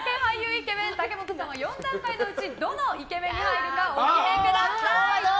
イケメン武本さんは４段階のうちどのイケメンに入るかお決めください。